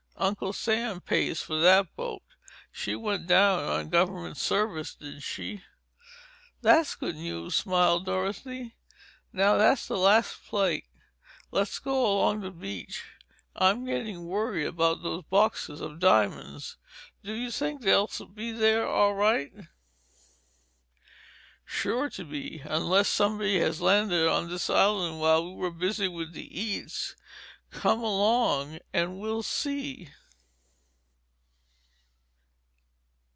Uncle Sam pays for that boat. She went down on government service, didn't she?" "That's good news," smiled Dorothy. "Now, that's the last plate. Let's go along the beach. I'm getting worried about those boxes of diamonds. Do you think they'll be there, all right?" "Sure to be. Unless somebody has landed on this island while we were busy with the eats. Come along and we'll see."